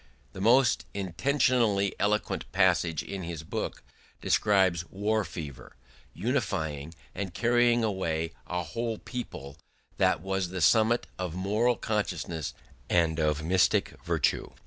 The most intentionally eloquent passage in his book describes war fever unifying and carrying away a whole people: that was the summit of moral consciousness and of mystic virtue.